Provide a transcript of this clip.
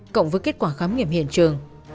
cộng với kết quả khám nghiệm hiện trường